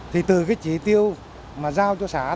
thì từ cái chỉ tiêu mà giao cho xã